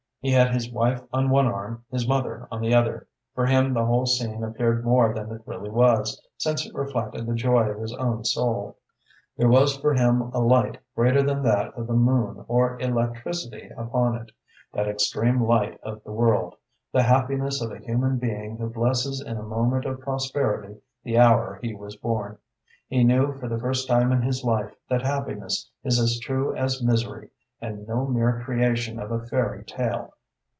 He had his wife on one arm, his mother on the other. For him the whole scene appeared more than it really was, since it reflected the joy of his own soul. There was for him a light greater than that of the moon or electricity upon it that extreme light of the world the happiness of a human being who blesses in a moment of prosperity the hour he was born. He knew for the first time in his life that happiness is as true as misery, and no mere creation of a fairy tale.